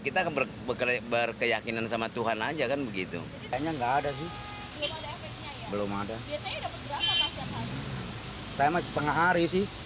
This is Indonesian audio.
setengah hari ini dapat berapa pak